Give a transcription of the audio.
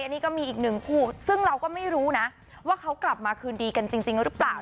อันนี้ก็มีอีกหนึ่งคู่ซึ่งเราก็ไม่รู้นะว่าเขากลับมาคืนดีกันจริงหรือเปล่า